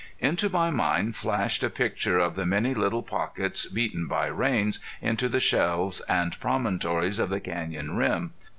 Into my mind flashed a picture of the many little pockets beaten by rains into the shelves and promontories of the canyon rim.